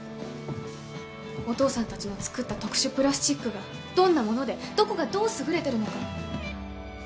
お父さんたちの作った特殊プラスチックがどんなものでどこがどう優れてるのか。